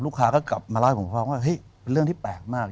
ก็กลับมาเล่าให้ผมฟังว่าเฮ้ยเป็นเรื่องที่แปลกมาก